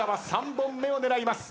３本目を狙います。